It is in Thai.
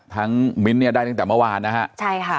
มิ้นท์เนี่ยได้ตั้งแต่เมื่อวานนะฮะใช่ค่ะ